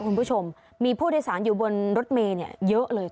คุณผู้ชมมีผู้โดยสารอยู่บนรถเมย์เยอะเลย